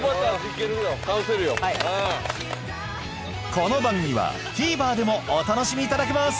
この番組はＴＶｅｒでもお楽しみいただけます